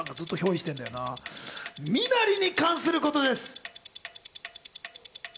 身なりに関することです。